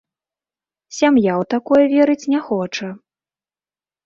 Сям'я ў такое верыць не хоча.